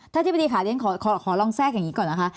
ถ้าที่พอดีค่ะขอลองแทรกอย่างนี้ก่อนนะคะ